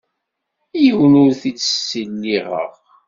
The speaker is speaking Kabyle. Yiwen ur t-id-ssiliɣeɣ.